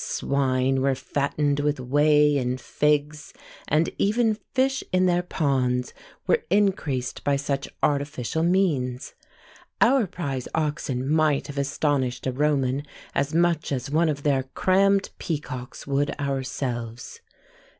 Swine were fattened with whey and figs; and even fish in their ponds were increased by such artificial means. Our prize oxen might have astonished a Roman as much as one of their crammed peacocks would ourselves.